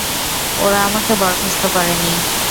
ওরা আমাকে বরখাস্ত করেনি।